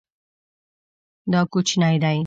دا کوچنی دی